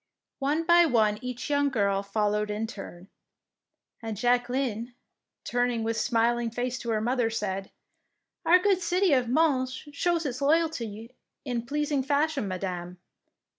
One by one each young girl followed in turn, and Jacqueline, turning with smiling face to her mother, said, — "Our good city of Mons shows its loyalty in pleasing fashion, Madame.